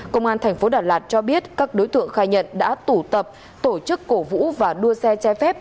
công an tp đà lạt cho biết các đối tượng khai nhận đã tụ tập tổ chức cổ vũ và đua xe chai phép